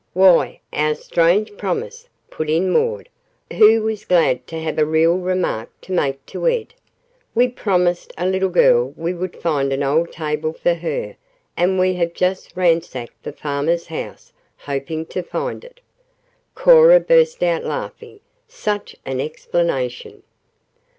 "Why, our strange promise," put in Maud, who was glad to have a "real remark" to make to Ed. "We promised a little girl we would find an old table for her and we have just ransacked the farmer's house, hoping to find it." Cora burst out laughing. Such an explanation!